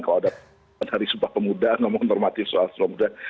kalau ada pernyataan hari subah pemuda ngomong normatif soal subah pemuda